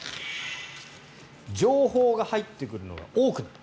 情報が入ってくるのが多くなる。